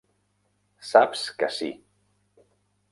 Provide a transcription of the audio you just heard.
Saps que sí.